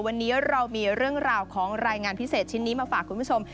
วันนี้เรามีเรื่องราวของรายงานพิเศษชิ้นนี้มาฝากคุณผู้ชม